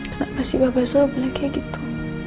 kenapa si papa selalu bilang kayak gitu